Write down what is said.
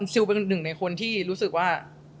ซิลเป็นหนึ่งในคนที่รู้สึกว่า